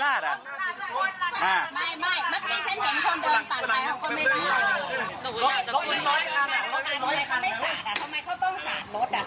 จะให้ฉันให้ไหมจะให้ฉันให้ไหมค่ะ